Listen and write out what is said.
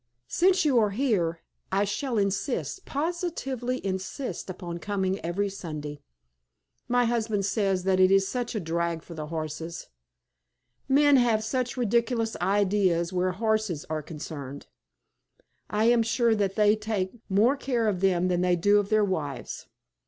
Since you are here, I shall insist, positively insist, upon coming every Sunday. My husband says that it is such a drag for the horses. Men have such ridiculous ideas where horses are concerned. I am sure that they take more care of them than they do of their wives.